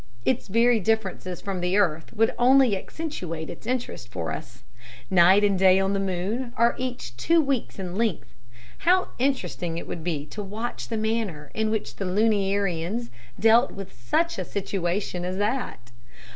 Its very differences from the earth would only accentuate its interest for us. Night and day on the moon are each two weeks in length; how interesting it would be to watch the manner in which the lunarians dealt with such a situation as that.